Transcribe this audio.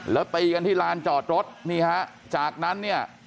แล้วตีกันที่ลานจอดรถนี่ฮะจากนั้นเนี่ย